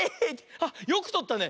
あっよくとったね。